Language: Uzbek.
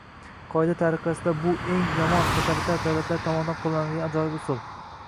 Qoida tariqasida, bu eng yomon totalitar davlatlar tomonidan qo'llaniladigan ajoyib usul: